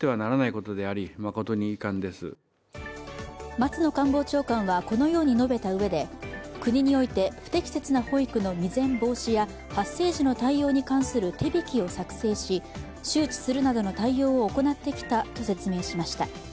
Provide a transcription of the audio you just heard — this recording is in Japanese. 松野官房長官はこのように述べたうえで国に置いて不適切な保育の未然防止や発生時の対応に関する手引きを作成し周知するなどの対応を行ってきたと説明しました。